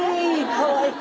かわいい。